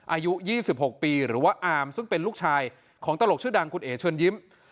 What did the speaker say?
อายุ๒๖ปีหรือว่าอามซึ่งเป็นลูกชายของตลกชื่อดังคุณเอ๋เชิญยิ้ม